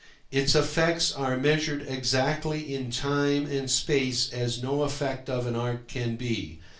Its effects are measured exactly in time and space as no effect of an art can be.